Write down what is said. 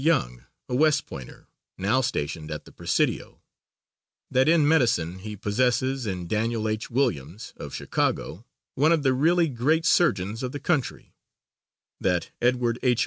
Young, a West Pointer, now stationed at the Presidio; that in medicine, he possesses in Daniel H. Williams, of Chicago, one of the really great surgeons of the country; that Edward H.